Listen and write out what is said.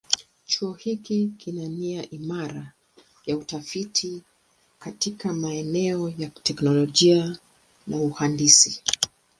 Chuo hiki kina nia imara ya utafiti katika maeneo ya teknolojia na uhandisi.